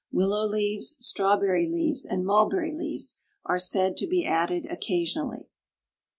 Willow leaves, strawberry leaves, and mulberry leaves are said to be added occasionally.